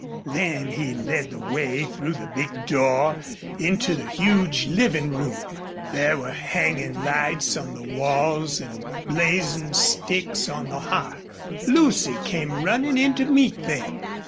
Then he led the way through the big door into the huge living room. There were hanging lights on the walls and blazing sticks on the hearth. Lucy came running in to meet them.